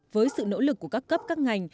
với sự nỗ lực của các cấp các ngành